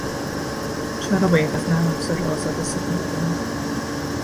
چرا باید از نرمافزار آزاد استفاده کنیم؟